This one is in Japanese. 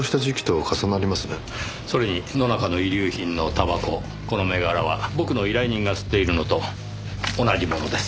それに野中の遺留品のたばここの銘柄は僕の依頼人が吸っているのと同じものです。